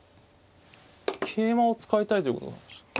桂馬を使いたいということなんでしょう。